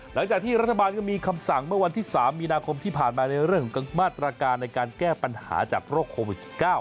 หลังจากที่รัฐบาลก็มีคำสั่งเมื่อวันที่๓มีนาคมที่ผ่านมาในเรื่องของมาตรการในการแก้ปัญหาจากโรคโควิด๑๙